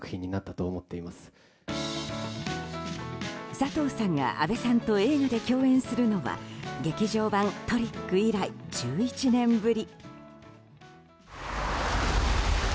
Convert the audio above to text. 佐藤さんが阿部さんと映画で共演するのは劇場版「トリック」以来１１年ぶり。